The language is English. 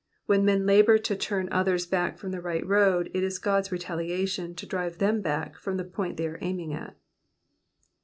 When men labour to turn others back from the right road, it is God's retaliation to diive them back from the point they are aiming at.